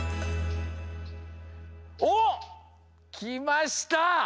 おっきました！